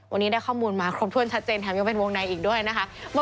วันนี้ได้ข้อมูลมาครบถ้วนชัดเจนแถมยังเป็นวงในอีกด้วยนะคะ